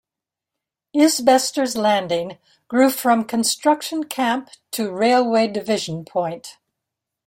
Isbester's Landing grew from construction camp to railway division point.